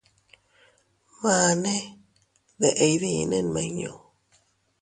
Mane, ¿deʼe iydinne nmiñu?.